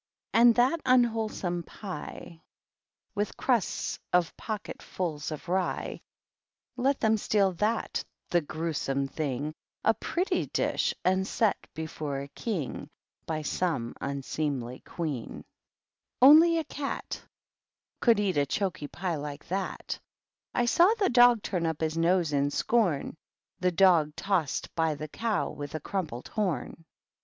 And that unwholesome pie, With crusts of pocketfuls of rye, —• Let them steal that, the grewsome thing I A pretty dish ! And set before a King By some unseemly Queen. THE GREAT OCCASION. 255 Only a Cat Could eat a choky pie like that; I saw the Dog turn up his nose in sco7*n, — The Dog tossed by the Cow with crumpled horn.